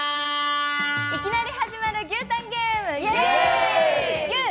いきなり始まる牛タンゲーム、イェー！